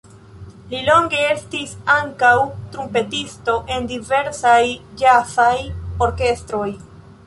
Li longe estis ankaŭ trumpetisto en diversaj ĵazaj orkestroj.